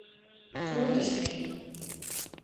Фронтыш каем.